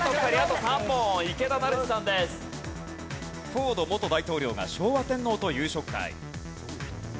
フォード元大統領が昭和天皇と夕食会。